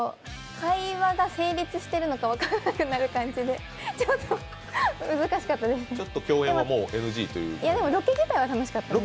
会話が成立してるのか分からなくなる感じでちょっと難しかったです。